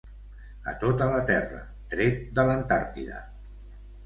A tota la Terra, tret de l'Antàrtida.